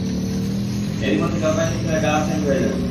এরই মধ্যে জলপাই সেদ্ধ হয়ে কালার চেঞ্জ হয়ে যাবে।